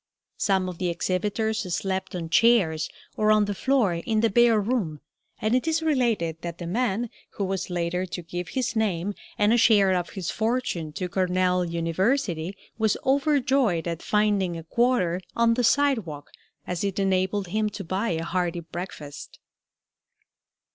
Some of the exhibitors slept on chairs or on the floor in the bare room, and it is related that the man who was later to give his name and a share of his fortune to Cornell University was overjoyed at finding a quarter on the sidewalk, as it enabled him to buy a hearty breakfast.